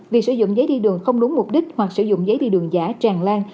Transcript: việc sử dụng giấy đi đường không đúng mục đích hoặc sử dụng giấy đi đường giả tràn lan